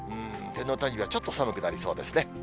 天皇誕生日はちょっと寒くなりそうですね。